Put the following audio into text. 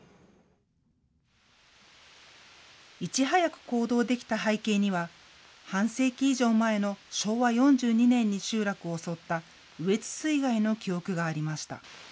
いち早く行動できた背景には半世紀以上前の昭和４２年に集落を襲った羽越水害の記憶がありました。